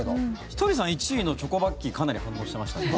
ひとりさん１位のチョコバッキーかなり反応してましたね。